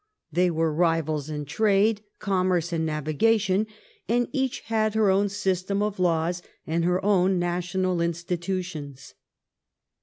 They were rivals in trade, commerce, and navigation, and each had her own system of laws and her own national institutions.